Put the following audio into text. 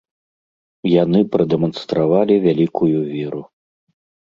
Яны прадэманстравалі вялікую веру.